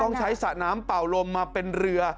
ต้องใช้สระน้ำเป่าลมมาเป็นเรือ